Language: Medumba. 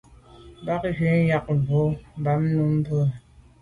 Mb’a’ ghù ju z’a ke’ bwô là Bam nà num mbwôge.